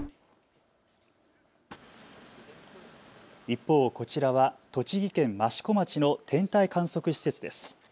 一方、こちらは栃木県益子町の天体観測施設です。